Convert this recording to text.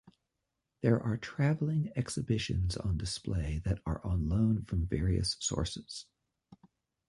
There are traveling exhibitions on display that are on loan from various sources.